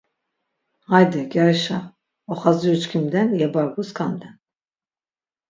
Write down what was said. Hayde gyarişa! Oxaziru çkimden yebargu skanden...